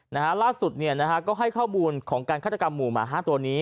นะฮะล่าสุดเนี่ยนะฮะก็ให้ข้อมูลของการฆาตกรรมหมู่หมาห้าตัวนี้